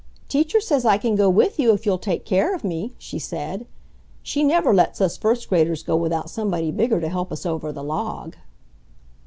"Teacher says I can go with you if you'll take care of me," she said. "She never lets us first graders go without somebody bigger to help us over the log."